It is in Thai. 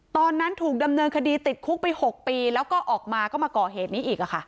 ตอนนั้นถูกดำเนินคดีติดคุกไป๖ปีแล้วก็ออกมาก็มาก่อเหตุนี้อีก